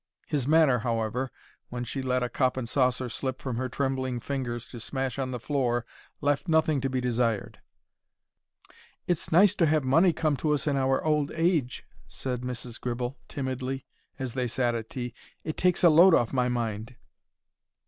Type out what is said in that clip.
His manner, however, when she let a cup and saucer slip from her trembling fingers to smash on the floor left nothing to be desired. "It's nice to have money come to us in our old age," said Mrs. Gribble, timidly, as they sat at tea. "It takes a load off my mind."